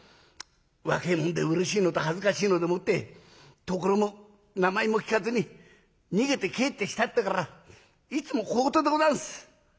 若え者でうれしいのと恥ずかしいのでもって所も名前も聞かずに逃げて帰ってきたってえからいつも小言でございます。